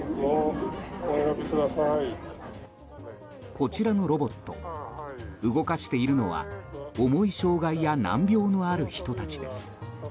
こちらのロボット動かしているのは重い障害や難病のある人たちです。